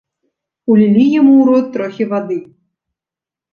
Улілі яму ў рот трохі вады.